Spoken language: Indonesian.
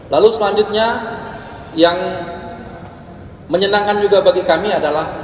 lalu selanjutnya yang menyenangkan juga bagi kami adalah